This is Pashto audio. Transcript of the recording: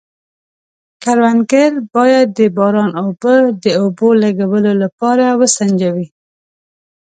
کروندګر باید د باران اوبه د اوبو لګولو لپاره وسنجوي.